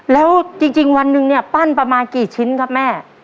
แล้วจริงวันหนึ่งเนี่ยปั้นประมาณกี่ชิ้นครับแม่